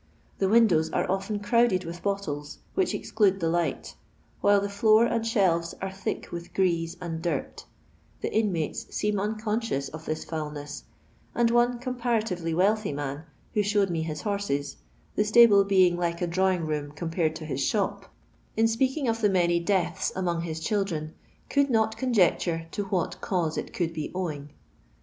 The windows are often crowded with bottles, which exclude the light; while the floor and shelves are thick with grease and dirt The inmates seem unconscious of this foulness, — and ono comparatively wealthy roan, who showed me his horses, the stable being like a drawing room compared to his shop, in speaking of the many deaths among his children, could not conjecture to what cause it could be owing.